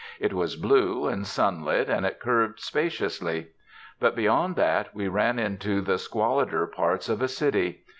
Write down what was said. It was blue, and sunlit, and it curved spaciously. But beyond that we ran into the squalider parts of a city.